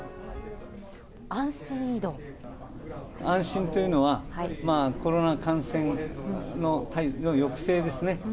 安心というのは、コロナ感染の抑制ですね。